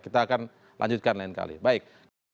kita akan lanjutkan lain kali baik